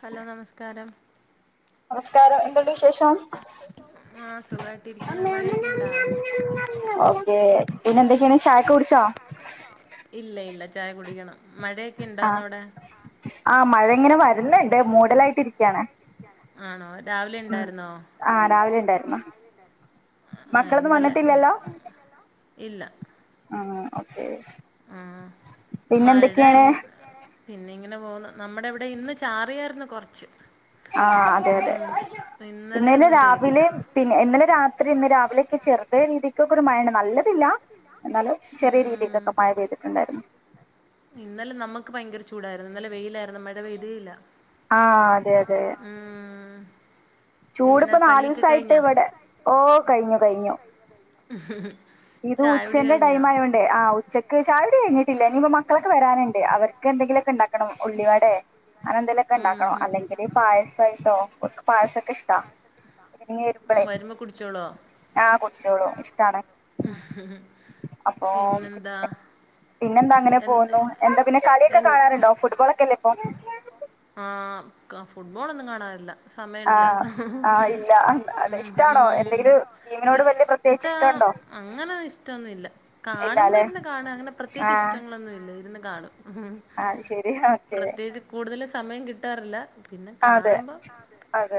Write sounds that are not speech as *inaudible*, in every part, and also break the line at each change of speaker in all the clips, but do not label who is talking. Hello നമസ്കാരം
സ്കാരം എന്തുണ്ട് വിശേഷം? ഓക്കേ പിന്നെന്തക്കെയാണ് ചായക്കെ കുടിച്ചോ?
ഇല്ല ഇല്ല ചായ കുടിക്കണം മഴയ
ആ ആ മഴ ഇങ്ങനെ വരുന്നുണ്ട് മൂടലായിട്ട് ഇരിക്കയാണ്. ഉം ആ രാവിലെ ഇണ്ടായിര്ന്നു. മക്കളൊന്നും വന്നിട്ടില്ലല്ലോ?
ഇല്ല
ആ ഓക്കെ
ആ മഴ ഇന്ന് പിന്നെ ഇങ്ങനെ പോകുന്നു നമ്മടെ ഇവടെ ഇന്ന് ചാറിയായിരുന്നു കൊറച്ച്
ആ അതെ അതെ ഇന്നലെ രാവിലേം പിന്നെ ഇന്നലെ രാത്രി ഇന്ന് രാവിലെയക്കെ ചെറുതേ രീതിക്കൊക്കെ ഒരു മഴണ്ട് നല്ലതില്ല. എന്നാലും ചെറിയ രീതിക്കൊക്കെ മഴ പെയ്തിട്ട്ണ്ടായിരുന്നു.
ഇന്നലെ നമ്മക്ക് ഭയങ്കര ചൂടായിരുന്നു. ഇന്നലെ വെയിലായിരുന്നു. മഴ പെയ്തേയില്ല. ആ ആഹ്
ചൂട്പ്പം നാലൂസായിട്ട് ഇവടെ ഓ കഴിഞ്ഞു കഴിഞ്ഞു. ഇത് ഉച്ചന്റെ ടൈം ആയോ ആ ഉച്ചക്ക് ചായുടി കഴിഞ്ഞിട്ടില്ല ഇനിയിപ്പം മക്കളക്കെ വരാനുണ്ട് അവർ ക്ക് എന്തെങ്കിലൊക്കെ ഇണ്ടാക്കണം ഉള്ളിവടെ അങ്ങനന്തേലുക്കെ ഇണ്ടാക്കണം അല്ലെങ്കിൽ *unintelligible* പായസായിട്ടോ ഓക്ക് പായസൊക്കെ ഇഷ്ട. ഇഞ്ഞ് വരുമ്പളേ ആ കുടിച്ചോളൂ ഇഷ്ടാണ്.
പിന്നെന്താ?
പിന്നെന്താ അങ്ങനെ പോകുന്നു എന്താ പിന്നെ കളിയക്കെ കാണാറുണ്ടോ ഫുട്ബോൾ ഒക്കെല്ലേ ഇപ്പോ?
ആ ക്ക ഫുട്ബോളൊന്നും കാണാറില്ല. സമയല്ല ഉം ഉം ഇഫ് ക്ക അങ്ങനെ ഇഷ്ടന്നു ഇല്ല കാണുമ്പോൾ എല്ലം കാണ അങ്ങനെ പ്രത്യേകിച്ച് ഇഷ്ടങ്ങളൊ ന്നു ഇല്ല ഇരുന്ന് കാണും
ആഹ് ശരി ഓക്കേ
കൂടുതല് സമയം കിട്ടാറില്ല പിന്നെ കാണുമ്പം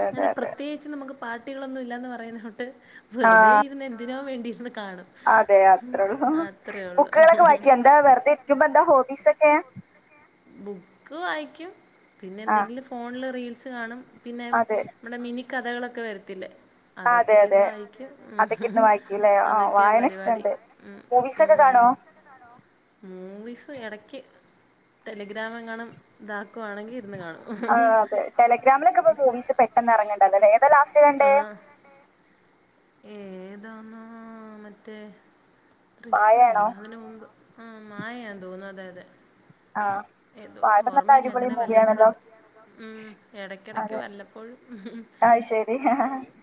അങ്ങനെ പ്രത്യേകിച്ച് നമുക്ക് പാട്ടികളൊന്നും ഇല്ലാന്ന് പറയുന്നൊട്ട് വെറുതെ ഇരുന്ന് എന്തിനോ വേണ്ടിയിന്ന് കാണും.
അതെ അത്രേ ഉള്ളൂ. ബുക്ക്കളൊക്കെ വായിക്കോ? എന്താ വെർതെ
ബുക്ക് വായിക്കും പിന്നെ എന്തെങ്കിലും ഫോണില് റീൽസ് കാണും പിന്നെ നമ്മുടെ മിനി കഥകളൊക്കെ വരത്തില്ലേ. അതൊക്കെ ഇര്ന്ന് വായിക്കും ഉം അതൊക്കെയാ പരിപാടി ഉം ഉം മൂവീസ് എടയ്ക്ക് ടെലിഗ്രാം എങ്ങാണും ഇതാക്കുവാണെങ്കിൽ ഇരുന്ന് കാണും.
ആ അതെ ടെലഗ്രാമിലക്കെ ഇപ്പ മൂവീസ് പെട്ടന്ന് എറങ്ങ്ണ്ടല്ലോല്ലേ ഏതാ ലാസ്റ്റ് കണ്ടേ?
ഏതാന്ന് മറ്റേ ദൃശ്യം അല്ലാതെന്നെ മുമ്പ് ആ മായയാ തോന്നു അതെ അതെ
ആഹ്
ഏതോ ഓർമ്മയില്ല അങ്ങനെ വല്ലപ്പൊഴക്കെ. ഉം എടക്കിടക്ക് വല്ലപ്പോഴും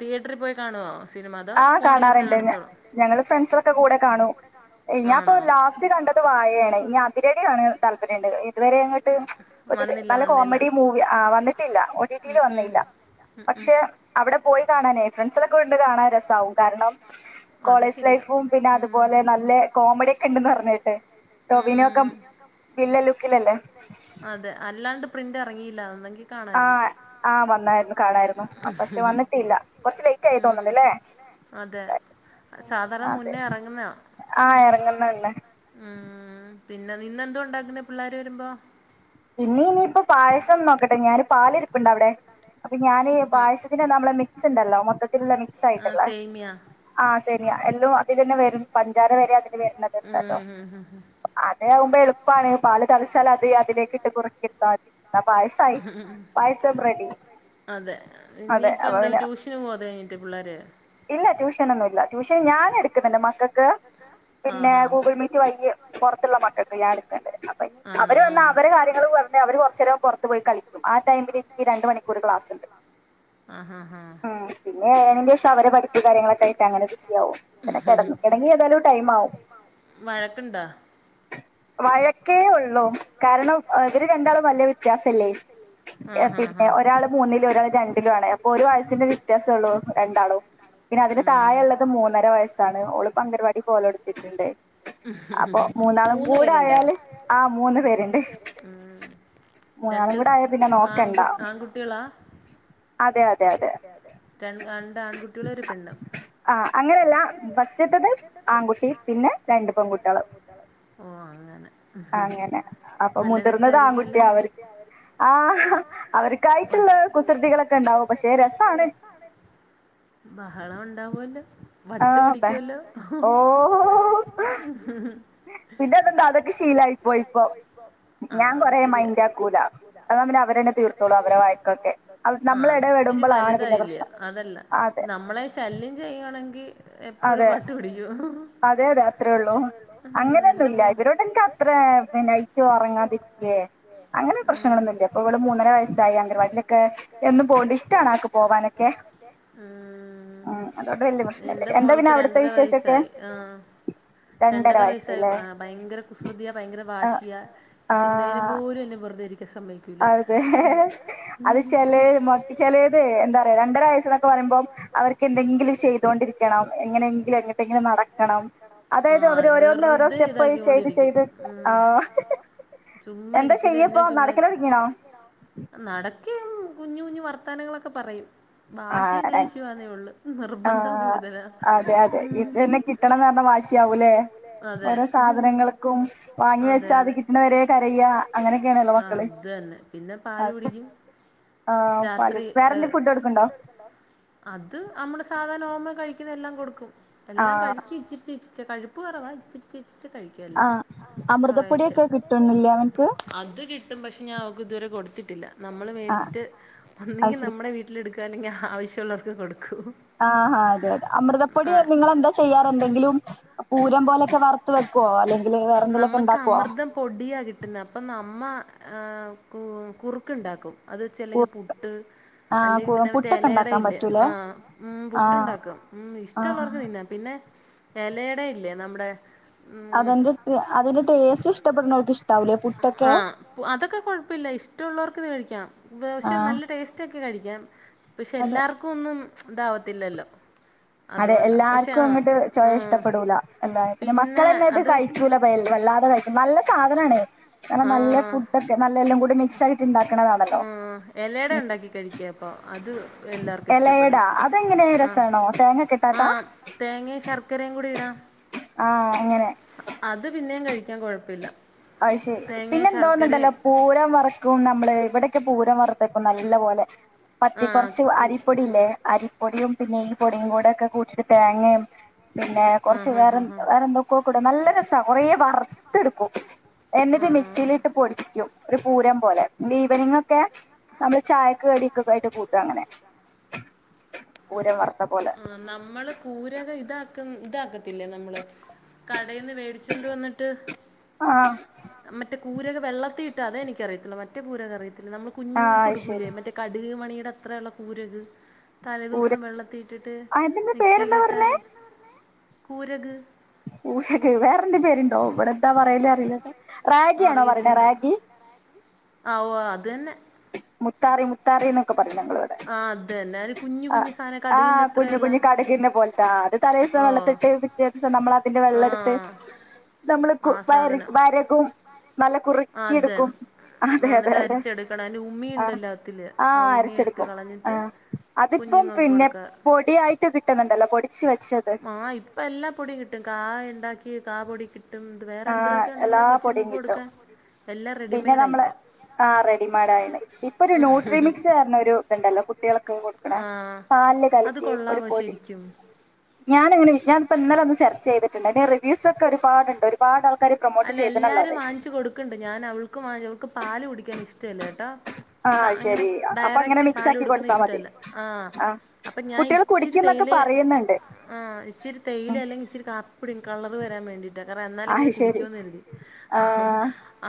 തിയേറ്ററിൽ പോയി കാണോ?
ആ കാണാറുണ്ട് ഞ ഞങ്ങള് ഫ്രണ്ട്സൊക്കെ കൂടെ കാണൂ. ഞാ ഇപ്പൊ ലാസ്റ്റ് കണ്ടത് വാഴയാണ് ഇനി അതിരടി കാണ് താല്പര്യണ്ട് ഇ ഇതുവരെ ഇങ്ങട്ട് ഒരു നല്ല കോമഡി മൂവി ആ വന്നിട്ടില്ല ഓ ടി ടിയിൽ വന്നില്ല. പക്ഷെ അവ്ടെ പോയി കാണാനേ ഫ്രണ്ട്സിലൊക്കെ കൊണ്ട് കാണാ രസാവും കാര്ണം കോളേജ് ലൈഫും പിന്ന അതുപോലെ നല്ല കോമഡി ഒക്ക ഇണ്ട്ന്ന് പറഞ്ഞ് കേട്ട് ടോവിനൊക്ക വില്ല ലുക്കിലല്ലെ
അതെ അല്ലാണ്ട് പ്രിന്റ് ഇറങ്ങീല ഒന്നെങ്കി
ആഹ് ആഹ് വന്നായിരുന്നു കാണായിരുന്നു പക്ഷെ വന്നിട്ടില്ല കൊറ്ച്ച് ലെയ്റ്റായി തോന്ന്ണ്ട്ലേ
അതെ സാധാര മുന്നേ എറങ്ങ്ന്നാ ഉം പിന്നെ ഇന്നെന്ത്വ ഇണ്ടാക്ക്ന്ന പിള്ളാര് വരുമ്പോ
ഇനി ഇനിയിപ്പൊ പായസം നോക്കട്ടെ ഞാന് പാലി ഇരിപ്പ്ണ്ട അവ്ടെ അപ്പൊ ഞാന് പായസത്തിന്റെ നമ്മള മിക്സ് ഇണ്ടല്ലൊ മൊത്തത്തില്ള്ള മി
ആഹ് സേമ്യാ
ആഹ് സേമ്യാ എല്ലൊം അതിലെന്നെ വരും പഞ്ചാര വരെ അതില് വരണത്ണ്ടലൊ
ഉം ഉം ഹ ഹ
അതാവുമ്പൊ എളുപ്പാണ് പാല് തളച്ചാല് അത് അതിലേക്ക് ഇട്ട് കുറിക്കി ഇട്ത്താ മതി എന്ന പായസായി പായസം റെഡി അതെ അപൊ പിന്നെ
പോതെ കിട്ട് പുള്ളാര്
ഇല്ല ട്യൂഷനൊന്നും ഇല്ല ട്യൂഷൻ ഞാൻ എടുക്കുന്നുണ്ട് മക്കക്ക് പിന്നേ ഗൂഗിൾ മീറ്റ് വയ്യ് പൊറത്ത്ള്ള മക്കക്ക് ഞാ ഇട്ക്ക്ണ്ട് അപ്പൊ ഇനി അവര് വന്ന അവര് കാര്യങ്ങള് പറ അവര് കൊറ്ച്ചേരം പൊറ്ത്ത് പോയി കളിക്കും ആഹ് ടൈമില് എനിക്ക് രണ്ട് മണി ക്ലാസ് ഇണ്ട്
ആഹ് ഹാ ഹാ
അവരെ പഠിപ്പ് കാര്യങ്ങളൊക്ക ആയിട്ട് അങ്ങനെ ബിസി ആവും പിന്ന കെക്കണെങ്കി ഏതായാലും ടൈമാവും
വഴക്ക്ണ്ടാ
വഴക്കേ ഉള്ളു കാര്ണം ഇവര് ഏഹ് രണ്ടാളും വല്യ വ്യത്യാസല്ലെ പിന്നെ ഒരാള് മൂന്നിലും ഒരാള് രണ്ടിലും ആണ് അപ്പൊ ഒരു വയസ്സിന്റെ വ്യത്യാസൊള്ളു രണ്ടാളും പിന്നെ അതിന്റെ തായള്ളത് മൂന്നര വയസ്സാണ് ഓള് ഇപ അംഗരവാടി പോവലൊട്ത്തീട്ട്ണ്ട് അപ്പൊ മൂന്നാളും കൂട ആയാല് ആഹ് മൂന്ന് പേര്ണ്ട് മൂന്നാളു കൂട ആയാല് പിന്നെ നോക്കണ്ടാ അതെ അതെ അതെ
ര രണ്ട് ആൺകുട്ട്യേളു ഒരു പെണ്ണ്
ആഹ് അങ്ങനല്ല ഫസ്റ്റിത്തത് ആൺകുട്ടി പിന്നെ രണ്ട് പെൺകുട്ടീള് അങ്ങനെ അപ്പൊ മുതിർന്നത് ആൺകുട്ട്യ അവർ ആഹ് അവർക്കായിട്ട്ള്ള കുസൃതികളൊക്ക ഇണ്ടാവും പക്ഷെ രസാണ്
ബഹളം ഉണ്ടാവൊല്ലൊ വട്ട് പിടിക്കുവല്ലൊ *inaudible*
പിന്നെ അതെന്ത അതൊക്കെ ശീലായി പോയിപ്പൊ ഞാൻ കൊറേ മൈൻഡാക്കൂല
ആഹ് ഇച്ചിരി വലുതായില്ലെ അതല്ല നമ്മളെ ശല്യം ചെയ്യുവാണെങ്കി എപ്പഴും വട്ടു പിടിക്കും അതെ അതെ അത്രെ ഉള്ളു മോഹല്ല ഇണ്ട് എനിക്ക് അത്രെ നൈറ്റൊറങ്ങാതിരി ഭക്ഷങ്ങള ഇപ്പ ഇവള് മൂന്നര വയസ്സായി അംഗൻവാടീലൊക്ക എന്ന് പോയിട് ഇഷ്ടാണ് അത് പോകാനൊക്കെ ഉം എന്റെ മോൾക്ക് രണ്ടര വയസ്സായി ആഹ് രണ്ടര വയസ്സായി ഭയങ്കര കുസൃതിയ ഭയങ്കര വാശിയാ ഇച്ചിരി നേരം പോലും എന്നെ വെറ്തെ ഇരിക്ക സ
അതെ അത് ചെലേ മ ചെലേത് എന്ത പറയ രണ്ടര വയസ്സ് ന്നൊക്ക പറയുമ്പൊ അവർക്ക് എന്തെങ്കിലും ചെയ്തൊണ്ടിരിക്കണം എങ്ങനെയെങ്കിലും എങ്ങ്ട്ടെങ്കിലും നടക്കണം അതായത് അവര് ഓരോന്നും ഓരോ സ്റ്റെപ്പായി ചെയ്ത് ചെയ്ത് ആഹ് എന്ത ചെയ്യപ്പൊ നടക്കലൊട്ങ്ങീന്നൊ
നടക്കേം കുഞ്ഞു കുഞ്ഞു വർത്താനങ്ങളൊക്കെ പറയും വാശീം ദേഷ്യാന്നേ ഉള്ളൂ നിർബന്ധം കൂടുതലാ ഉം അതെ അതെ അതെ ആഹ് അതന്നെ പിന്നെ പാല് കുടിക്കും രാത്രി ഏഹ് അത് അമ്മള് സാധാരണ നോർമ്മൽ കഴിക്കുന്നെല്ലാം കൊടുക്കും എല്ലാം കഴിക്കും ഇചിരി ചിരി കഴുപ്പ് കോറവാ ഇച്ചിരി ഇച്ചി ച്ചേ കഴിക്കുവെല്ലാം കൊറേശെ അത് കി കിട്ടും പക്ഷെ ഞാൻ അവക്ക് ഇതുവരെ കൊടുത്തിട്ടില്ല നമ്മള് മേടിച്ചിട്ട് ഒന്നെങ്കിൽ നമ്മുടെ വീട്ട ട്ടിലെടുക്കാ അല്ലെങ്കിൽ ആവശ്യള്ളവർക്ക് കൊടുക്കും
ആഹ് അതെ അതെ അമൃതപ്പൊടി നിങ്ങളെന്താ ചെയ്യാറ് എന്തെങ്കിലും പൂരം പോലെയൊക്കെ വറ ത്ത് വെക്കോ അല്ലെങ്കിൽ വേറെ എന്തേലുവൊക്കെ ഇണ്ടാക്കുവോ
പൊടിയാ കിട്ടുന്നത് അപ്പം നമ്മ കുറുക് ഇണ്ടാക്കും അത് വെച്ച് അല്ലെങ്കി പുട്ട് അല്ലെങ്കിൽ പിന്നെ മറ്റേ എലയട ഇല്ലെ ആഹ് ഉം പുട്ടുണ്ടാക്കും ഉം ഇഷ്ടവുള്ളവർക്ക് തിന്നാ പിന്നെ എലയട ഇല്ലേ നമ്മുടെ
അതിന്റെ അതിന്റെ ടേസ്റ്റ് ഇഷ്ടപ്പെടുന്നോക്ക് ഇഷ്ട
ആഹ് അതൊക്കെ കൊഴപ്പില്ല ഇഷ്ടള്ളോർക്ക് ഇത് കഴിക്കാം പക്ഷെ നല്ല ടേസ്റ്റ് ഒക്കെ കഴിക്കാം പക്ഷെ എല്ലാർക്കും ഒന്നും ഇതാവത്തില്ലല്ലോ
അതെ എല്ലാർക്കും അങ്ങോട്ട് ചൊവ ഇഷ്ടപ്പെടൂല അല്ല മക്കളന്നെ ഇത് കഴിക്കൂല യ വല്ലാതെ കഴിക്കും നല്ല സാധനാണ് കാരണം നല്ല ഫുഡ്ഡോക്കെ നല്ല എല്ലാം കൂടി മിക്സ് ആയി ഇണ്ടാക്കണതാണല്ലോ
ആഹ് എലയട ഇണ്ടാക്കി കഴിക്ക് അപ്പൊ അത് എല്ലാർക്കും ഇഷ്ടപ്പെടും ഇച്ചിരി
രസാണോ തേങ്ങക്കിട്ട്
ആഹ് തേങ്ങയും ശർക്കരയും കൂടി ഇടാം അത് പിന്നെയും കഴിക്കാൻ കൊഴപ്പില്ല
അത് ശെരി പിന്നെ എന്തോന്നുണ്ടല്ലോ പൂരം വറ ക്കും നമ്മള് ഇവിടെക്കെ പൂരം വറുത്തേക്കും നല്ല പോലെ പത്തി കോറച്ച് അരിപ്പൊടില്ലേ അരി പൊടിയും പിന്നെ ഈ പൊടിയും പിന്നെ പൊടിയും പിന്നെ ഈ പൊടിയും കൂടെ ഒക്കെ കൂട്ടിട്ട് തേങ്ങയും പിന്നെ കോറച്ച് വേറെ വേറെന്തോ ഒക്കെ കൂടെ നല്ല രസാ കൊറേ വറുത്ത് എടുക്കും എന്നിട്ട് മിക്സിയിലിട്ട് പൊടിക്കും ഒരു പൂരം പോലെ ഈവനിങ്ങൊക്കെ നമ്മള് ചായക്ക് കടി ഒക്കെ ആയിട്ട് കൂട്ടും അങ്ങനെ പൂരം വറുത്ത പോലെ
ആഹ് നമ്മള് പൂരക ഇതാക്ക ഇതാക്കത്തില്ലേ നമ്മള് കടേന്ന് മേടിച്ചോണ്ട് വന്നിട്ട് മറ്റേ കൂരക് വെള്ളത്തി ഇട്ട് അതെ എനിക്കറിയത്തൊള്ളു മറ്റേകൂരക് അറിയത്തില്ല നമ്മള് കുഞ്ഞുങ്ങൾക്ക് കൊടുക്കൂലേ മറ്റേ കടുക് മണിയുടെ അത്ര ഉള്ള കൂരക് തലേ ദിവസം വെള്ളത്തി ട്ട് മിക്സിയിലിട്ട് അര പൂരക്
പൂരക് വേറെന്തേ പേരുണ്ടോ ഇവിടെന്താ പറയല് അറീലലോ റാഗിയാണോ പറയണെ റാഗി
ആഹ് ഓ അത് തന്നെ
മുത്താറി മുത്താറി എന്നൊക്കെ പറയും ഞങ്ങൾ ഇവിടെ
ആഹ് അതന്നെ അയിന്
ആഹ് ആഹ് കുഞ്ഞു കുഞ്ഞ് കടുകിന്റെ പോലത്തെ ആഹ് അത് തലേ ദിവസം വെള്ളത്തിട്ട് പിറ്റേ ദിവസം നമ്മളാ ന്റെ വെള്ളെടുത്ത് നമ്മള് കു വര വരകും നല്ല കുറുക്കിയെടുക്കും
ആഹ് എന്നിട്ട് അരിച്ചെടുക്കണം അതിന് ഉമിയുണ്ടല്ലോ അത്തില് ആഹ് ഉമി എടുത്ത് കളഞ്ഞിട്ട്
തിപ്പം പിന്നെ പൊടിയായിട്ട് കിട്ടുന്നുണ്ടല്ലോ പൊടിച്ച് വെച്ചത്.
ആഹ് ഇപ്പെല്ലാ പൊടിയും കിട്ടും കായ ണ്ടാക്കി കാ പൊടി കിട്ടും ത് വേറെ എന്തൊരൊക്കൊ ണ്ടല്ലോ കൊച്ചുങ്ങക്ക് കൊടുക്കാൻ എല്ലാം റെഡി മേഡായിപ്പം.
ആഹ് റെഡിമേഡായ്ണ്. ഇപ്പൊ രു ന്യൂട്രിമിക്സ് അർഞ്ഞൊരു തുണ്ടല്ലോ കുട്ട്യൾക്ക് കൊടു ക്കണെ പാല്ല് കലക്കി ഒരു പൊടി ഞാന്ങ്ങനെ ഞാൻപ്പ ന്നലൊന്ന് സെർച്ചെയ്യ്തിട്ടുണ്ട് അതിന്റെ റിവ്യൂ സൊക്കെ ഒരുപാടുണ്ടാരു
അല്ലെല്ലാരും വാങ്ങിച്ചു കൊടുക്ക്ണ്ട് ഞാനവൾ ക്കും വാങ്ങിചു അവക്ക് പാല് കുടിക്കാനിഷ്ടല്ലട്ടോ. സ അങ്ങനെ ഡയറക്റ്റ് പാല് കൊടുക്കുന്ന ഇഷ്ടല്ല. ആഹ് അപ്പൊ ഞാൻ ഇച്ചിരി തേയിലെ ആഹ് ഇച്ചിരി തേയിലെ അല്ലെങ്കിച്ചിരി കാ പൊടിം കളറ് വരാൻ വേണ്ടിട്ട് കാരണം എന്നാലെങ്കിലും കുടിക്കോന്ന് കരുതി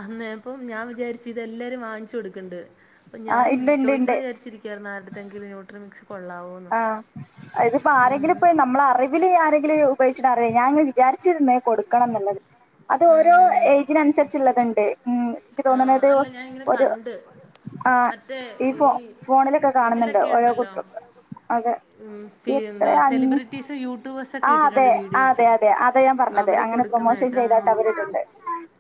അന്നേപ്പം ഞാം വിചാരിച്ചു ഇതെല്ലാരും വാങ്ങിച്ചു കൊടുക്ക്ണ്ട് പ്പ ഞാൻ ചോയിക്കണം ചാരിച്ചിരി യ്യറിന്നാരട്‌ത്തെങ്കിലും നൂട്രി മിക്സ് കൊള്ളാവോ
ആഹ് അ ഇതിപ്പാരെങ്കിലും പയി നമ്മളറി തില് ആരെങ്കിലു ഉപയോഗിച്ചിട്ടറിയോ ഞാൻങ്ങന വിചാരിച്ചിരുന്നേ കൊടുക്കണം ന്ന്ള്ളത്. അത് ഓരോ എയ്ജിനനുസരിച്ച്ള്ളത്ണ്ട്.
ആഹ് അല്ല ഞാനിങ്ങന കണ്ട് മറ്റേ ഈ ഇതിലൊക്കെ ഉണ്ടല്ലോ ഉം ഫി എന്തോ സെലിബ്രിറ്റീസും യൂട്യൂബേഴ്സ് ക്കെ ഇട്ടിട്ടുണ്ട് വീഡിയോസ് ആഹ് അതെ അതെ അവര് കൊടുക്ക്ന്നേട്ടാ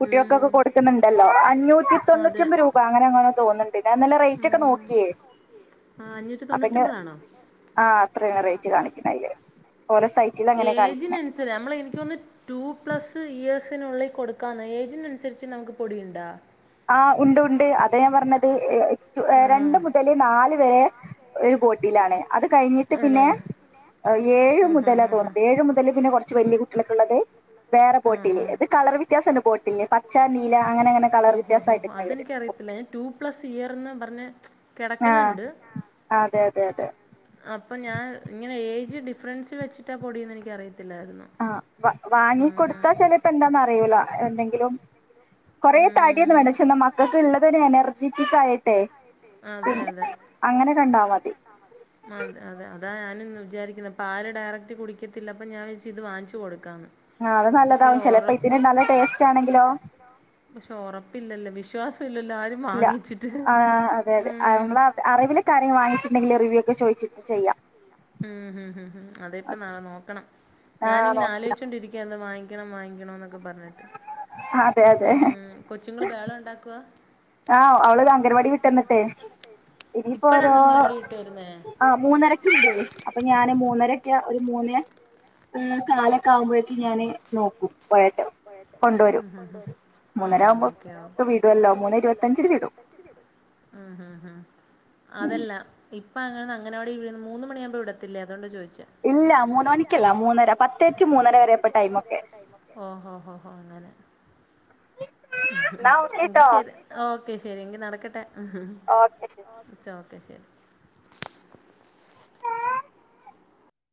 ഊം.
ക്ക്ന്നുണ്ടല്ലോ അഞ്ഞൂറ്റി തൊണ്ണൂറ്റിമ്പത് രൂപ അങ്ങനെ എങ്ങനോ തോന്ന്ണ്ട് ഞാൻ ന്നല റെയ്റ്റൊക്ക നോക്കിയേ.
ആഹ് അഞ്ഞൂറ്റി തൊണ്ണൂറ്റൊമ്പതാണോ?
ആഹ് അത്രയാ റെയ്റ്റ് കാണിക്കുന്നയില്. ഓല സൈ
ഏജിനനുസര നമ്മളെനിക്കോന്ന് ടു പ്ലസ് ഇയേഴ്സിനുള്ളിൽ കൊടുക്കാന്ന് ഏജിനനുസരിച്ച് നമുക്ക് പൊടിയുണ്ടാ?
ആഹ് ഉണ്ട് ഉണ്ട് അത ഞാൻ പർഞ്ഞത് ഏ എ രണ്ടു മുതല് നാല് വരെ ഒരു ബോട്ടിലാണ്. അത് കഴിഞ്ഞിട്ട് പിന്നെ അ ഏഴ് മുതല തോന്ന് ഏഴു മുതല് പിന്ന കൊർച്ച് വല്യ കുട്ട്യ ള്ക്ക്ള്ളത് വേറെ ബോട്ടില് ഇത് കളർ വ്യത്യാസണ്ട് ബോട്ട്ൽന് പച്ച നീല അങ്ങനെ ങ്ങനെ കളറ്
ഓ ഹോ ഹോ അതെനിക്കറിയത്തില്ല ഞാൻ ടു പ്ലസ് ഇയർ ന്ന് പർഞ്ഞ്
ആഹ് അതെ അതെ അതെ
അപ്പ ഞാൻ ഇങ്ങനെ ഏജ് ഡിഫറൻസ് വെച്ചിട്ടാ പൊടീന്നെ നിക്കറിയത്തില്ലായിരുന്നു.
ആഹ് വ വാങ്ങിക്കൊടുത്താ ചെലേപ്പെന്താന്നറിയൂല എന്തെങ്കിലും കൊറേ തടിയൊന്നും വേണ്ട പക്ഷെ ന്ന മക്കക്ക് ള്ള തൊരു എനർജെറ്റിക്കായിട്ടെ
അതെ അതെ
അങ്ങനെ കണ്ടാ മതി.
മാം തെ അതെ അതാ ഞാനും ഇ വിചാരിക്കുന്ന പാല് ഡയറക്റ്റ് കുടിക്കത്തില്ലപ്പം ഞാൻ വെച് ഇത് വാങ്ങിച്ചു കൊടുക്കാന്ന്
ആഹ് അത് നല്ലതാവും ചെലപ്പ ഇതിന് നല്ല ടേസ്റ്റാ ണെങ്കിലോ
പക്ഷെ ഒറപ്പില്ലല്ലൊ വിശ്വാസ ഇല്ലല്ലോ ആരു
ല്ല അആഹ് അതെ അതെ *unintelligible* അറിവിലൊക്കാരെം വാങ്ങിച്ച്ണ്ടെങ്കില് റിവ്യൂ ഒക്കെ ചോയ്ച്ചിട്ട് ചെയ്യാ.
ഉം ഹ് ഹ് ഹ് അതെ ഇപ്പ നാ നോക്കണം ഞാനിങ്ങനാ ലോയ്ച്ചോണ്ടിരി ക്യൊന്ന് വാങ്ങിക്കണം വാങ്ങിക്കണം ന്നൊക്കെ പർഞ്ഞ്ട്ട്
അതെ അതെ
കൊച്ചുങ്ങൾ വേള ഉണ്ടാക്കുവ
ആഹ് അവള് അങ്കരവാടി വിട്ടന്നിട്ടെ ഇനിയിപ്പോ ഓരോ ആ മൂന്നരക്ക ഉണ്ട് അപ്പൊ ഞാൻ മൂന്നരൊക്കെ ഒരു മൂന്നേ കാല ആവുമ്പോഴേക്ക് ഞാന് നോക്കും പോഴട്ട് കൊണ്ടുവരും
അഹ് അഹ് ഓക്കെ ഉംഉം അതല്ല ഇപ്പ അനെ അങ്ങന അവിടെ ഇഴുന്ന മൂ മണിയാവുമ്പോ വിടത്തില്ല അകൊണ്ട ചോയിച്ച
ഇല്ല മൂന്ന മണിക്കല്ല മൂന്നര
ഓ ഓ അങ്ങനെ എങ്ക ശരി ഓക്കെ ശരി എങ്കി നടക്കട്ടെ ഓക്കെ ശരി